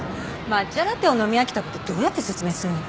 抹茶ラテを飲み飽きたことどうやって説明するの？